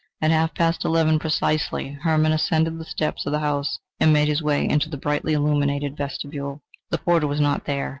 At half past eleven precisely, Hermann ascended the steps of the house, and made his way into the brightly illuminated vestibule. The porter was not there.